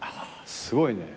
すごいね。